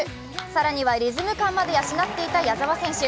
更にはリズム感まで養っていた矢澤選手。